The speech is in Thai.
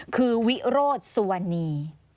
คือวิโรธสุวรรณี